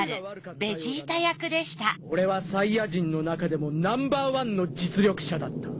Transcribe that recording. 俺はサイヤ人のなかでもナンバーワンの実力者だった。